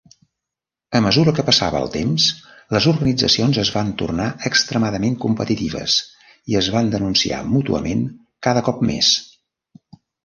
A mesura que passava el temps, les organitzacions es van tornar extremadament competitives i es van denunciar mútuament cada cop més.